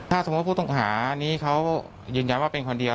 ถ้าสมมุติผู้ต้องหานี้เขายืนยันว่าเป็นคนเดียว